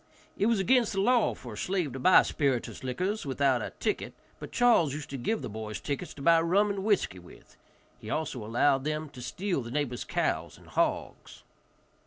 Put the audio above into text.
It was against the law for a slave to buy spirituous liquors without a ticket, but Charles used to give the boys tickets to buy rum and whiskey with. He also allowed them to steal the neighbor's cows and hogs.